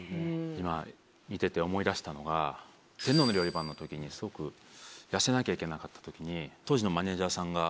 今見てて思い出したのが『天皇の料理番』のときにスゴく痩せなきゃいけなかったときに当時の。